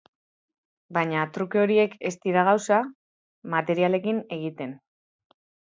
Baina truke horiek ez dira gauza materialekin egiten.